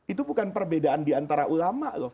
itu bukan perbedaan diantara ulama loh